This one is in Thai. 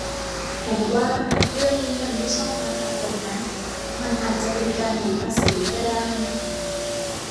ผมว่าเรื่องนี้มันไม่ชอบมาพากลนะ มันอาจจะเป็นการหนีภาษีก็ได้